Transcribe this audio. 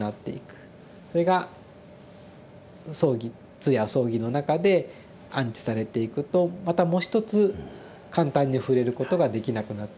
それが葬儀通夜葬儀の中で安置されていくとまたもう一つ簡単に触れることができなくなっていく。